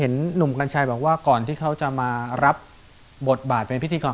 หนุ่มกัญชัยบอกว่าก่อนที่เขาจะมารับบทบาทเป็นพิธีกร